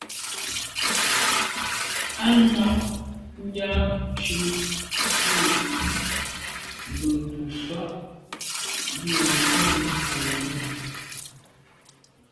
À nɑ̀’ yǎ cûp bú mbə̌ bū fâ’ bû nə̀tɑ́ nǔm Cameroun.